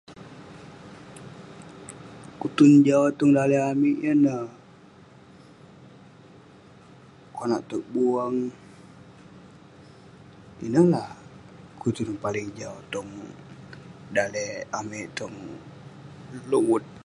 Kutun jau tong daleh amik yan ne, konak tok buang. Ineh lah kutun paling jau tong daleh amik, tong long wat.